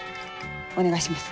お願いします。